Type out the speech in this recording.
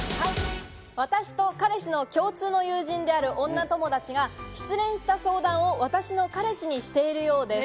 私と彼氏の共通の友人である女友達が、失恋した相談を私の彼氏にしているそうです。